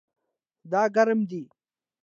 دا ګرم دی